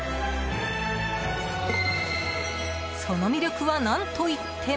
その魅力は何といっても。